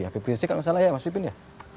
habib prinsip kalau saya salah ya mas wibin ya